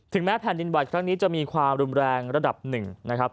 แม้แผ่นดินไหวครั้งนี้จะมีความรุนแรงระดับหนึ่งนะครับ